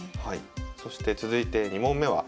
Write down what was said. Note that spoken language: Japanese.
そして続いて２問目は。